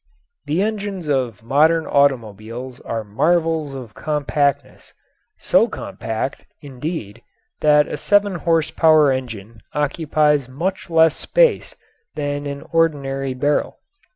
The engines of modern automobiles are marvels of compactness so compact, indeed, that a seven horse power engine occupies much less space than an ordinary barrel.